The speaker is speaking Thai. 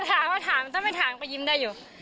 ต้องไม่ถามก็ถามก็ยิ้มได้อยู่